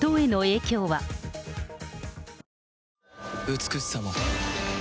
美しさも